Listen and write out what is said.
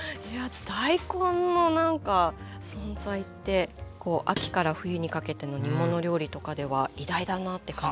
大根のなんか存在って秋から冬にかけての煮物料理とかでは偉大だなって感じます。